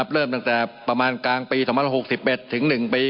เริ่มตั้งแต่ประมาณกลางปี๒๐๖๑ถึง๑ปี